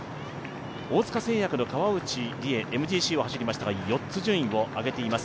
大塚製薬の川内理江、ＭＧＣを走りましたが、４つ順位を上げています。